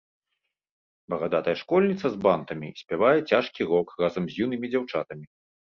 Барадатая школьніца з бантамі спявае цяжкі рок разам з юнымі дзяўчатамі.